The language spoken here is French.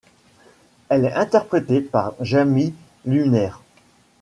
Elle est interprétée par Jamie Luner.